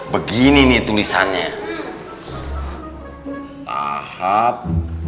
begini tulisannya tahap